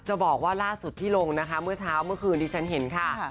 จะบอกว่าล่าสุดที่ลงนะคะเมื่อเช้าเมื่อคืนที่ฉันเห็นค่ะ